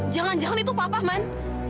jangan jangan itu papa man